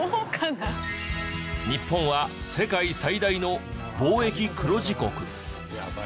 日本は世界最大の貿易黒字国。